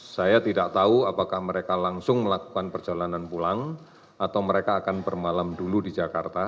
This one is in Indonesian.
saya tidak tahu apakah mereka langsung melakukan perjalanan pulang atau mereka akan bermalam dulu di jakarta